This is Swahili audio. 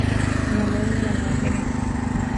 Wanyama wengine wanaoathirika